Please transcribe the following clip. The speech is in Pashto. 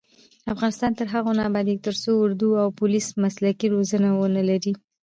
افغانستان تر هغو نه ابادیږي، ترڅو اردو او پولیس مسلکي روزنه ونه لري.